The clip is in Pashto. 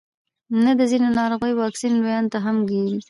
نه د ځینو ناروغیو واکسین لویانو ته هم کیږي